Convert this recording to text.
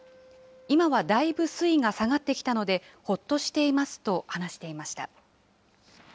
今はだいぶ水位が下がってきたので、ほっとしていますと話していました。